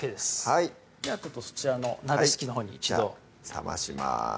はいではそちらの鍋敷きのほうに一度冷まします